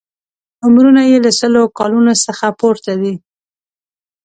عمرونه یې له سلو کالونو څخه پورته دي.